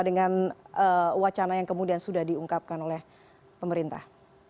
dengan wacana yang kemudian sudah diungkapkan oleh pemerintah